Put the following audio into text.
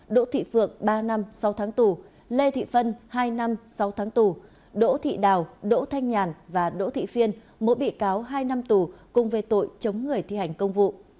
đỗ thị phượng ba năm sáu tháng tù lê thị phân hai năm sáu tháng tù đỗ thị đào đỗ thanh nhàn và đỗ thị phiên mỗi bị cáo hai năm tù cùng về tội chống người thi hành công vụ